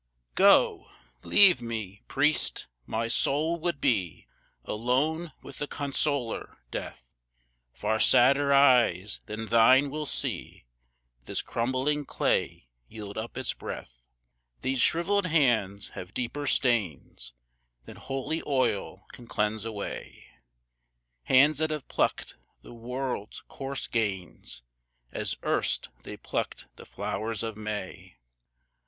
Go! leave me, Priest; my soul would be Alone with the consoler, Death; Far sadder eyes than thine will see This crumbling clay yield up its breath; These shrivelled hands have deeper stains Than holy oil can cleanse away, Hands that have plucked the world's coarse gains As erst they plucked the flowers of May.